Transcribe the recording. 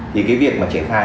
thì cái việc mà trẻ phai